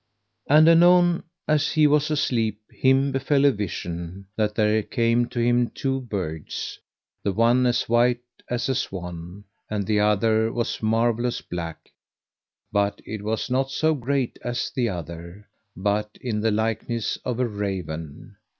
And anon as he was asleep him befell a vision, that there came to him two birds, the one as white as a swan, and the other was marvellous black; but it was not so great as the other, but in the likeness of a Raven.